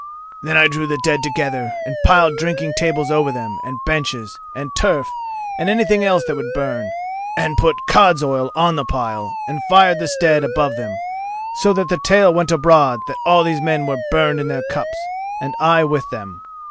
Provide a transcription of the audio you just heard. "'Then I drew the dead together and piled drinking tables over them, and benches, and turf, and anything else that would burn, and put cod's oil on the pile, and fired the stead above them, so that the tale went abroad that all these men were burned in their cups, and I with them.